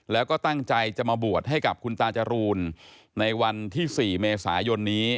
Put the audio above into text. แล้วก็ตั้งใจจะมาบวชให้กับคุณตาจรูนในวันที่๔เมษายนนี้